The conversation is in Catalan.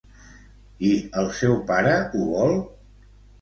I el seu pare ho vol?